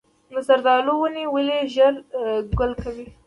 د زردالو ونې ولې ژر ګل کوي؟